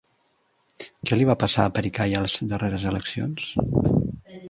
Què li va passar a Pericay a les darreres eleccions?